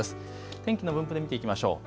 天気の分布で見ていきましょう。